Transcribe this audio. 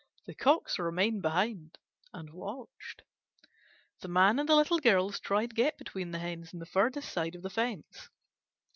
The Cocks remained behind and watched. The Man and the Little Girls tried to get between the Hens and the farthest side of the fence.